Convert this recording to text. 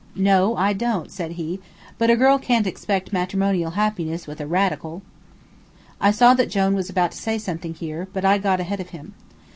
"No, I don't," said he, "but a girl can't expect matrimonial happiness with a Radical." I saw that Jone was about to say something here, but I got in ahead of him.